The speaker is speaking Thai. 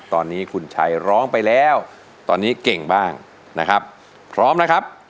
ตอนนี้คุณชัยร้องไปแล้วตอนนี้เก่งบ้างนะครับพร้อมนะครับ